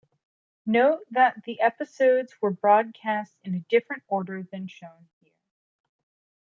Note that the episodes were broadcast in a different order than shown here.